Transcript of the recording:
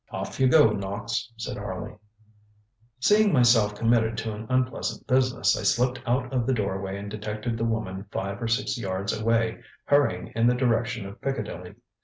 ŌĆ£Off you go, Knox! ŌĆØ said Harley. Seeing myself committed to an unpleasant business, I slipped out of the doorway and detected the woman five or six yards away hurrying in the direction of Piccadilly.